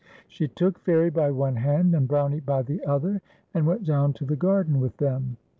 She took Fairie by one hand and Brownie by the other, and went down to the garden with them.